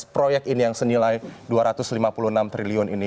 proyek ini yang senilai dua ratus lima puluh enam triliun ini